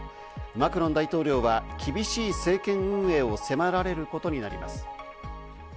マクロン大統領は厳しい政権運営を迫られることになります。